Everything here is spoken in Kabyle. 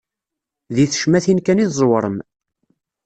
Di tecmatin kan i tẓewrem.